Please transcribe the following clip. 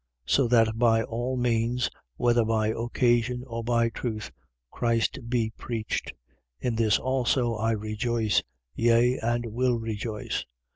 So that by all means, whether by occasion or by truth, Christ be preached: in this also I rejoice, yea, and will rejoice.